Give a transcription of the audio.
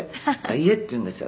「“言え”って言うんですよ